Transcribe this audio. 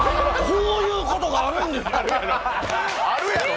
こういうことがあるんですね！